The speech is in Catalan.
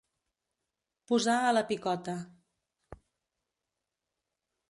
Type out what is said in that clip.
Posar a la picota.